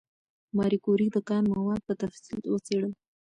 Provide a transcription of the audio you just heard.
ماري کوري د کان مواد په تفصیل وڅېړل.